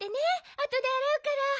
あとであらうから。